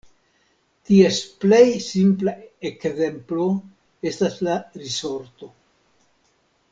Ties plej simpla ekzemplo estas la risorto.